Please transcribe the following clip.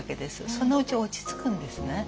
そのうち落ち着くんですね。